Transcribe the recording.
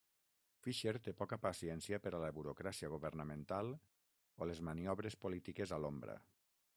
Fisher té poca paciència per a la burocràcia governamental o les maniobres polítiques a l'ombra.